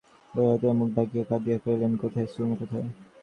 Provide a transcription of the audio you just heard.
দুই বাহুতে মুখ ঢাকিয়া কাঁদিয়া কহিলেন, কোথায়, সুরমা কোথায়।